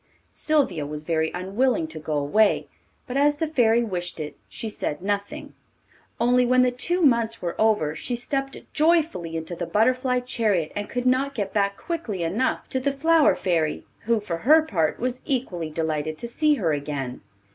Sylvia was very unwilling to go away, but as the Fairy wished it she said nothing only when the two months were over she stepped joyfully into the butterfly chariot, and could not get back quickly enough to the Flower Fairy, who, for her part, was equally delighted to see her again.